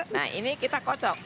nah ini kita kocok